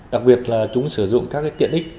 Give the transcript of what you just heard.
đặc biệt chúng sử dụng các tiện ích